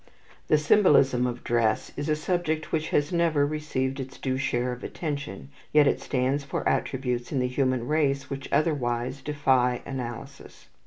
The symbolism of dress is a subject which has never received its due share of attention, yet it stands for attributes in the human race which otherwise defy analysis.